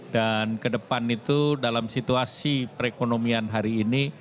dan kedepan itu dalam situasi perekonomian hari ini